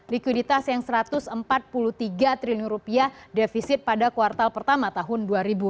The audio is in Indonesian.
likuiditas yang rp satu ratus empat puluh tiga triliun rupiah defisit pada kuartal pertama tahun dua ribu dua puluh